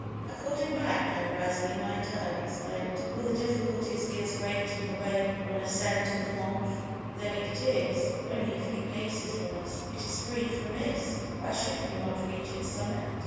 "I called him back, and rising in my turn, exclaimed: 'Will the difficulties be as great in the way of an ascent of the Mönch? There it is, only a few paces from us. It is free from mist, why should we not reach its summit?'